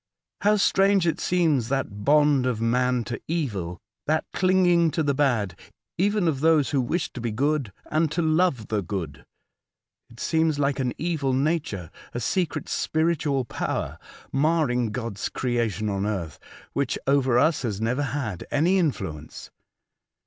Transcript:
How strange it seems that bond of man to evil — that clinging to the bad, even of those who wish to be good and to love the good ! It seems like an evil nature, a secret spiritual power, marring God's creation on earth, which over us has never had any influence.